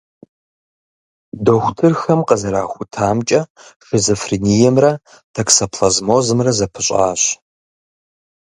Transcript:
Дохутырхэм къызэрахутамкӏэ, шизофрениемрэ токсоплазмозымрэ зэпыщӏащ.